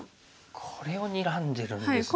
これをにらんでるんですね。